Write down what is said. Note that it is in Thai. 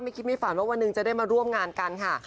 คิดไม่ฝันว่าวันหนึ่งจะได้มาร่วมงานกันค่ะ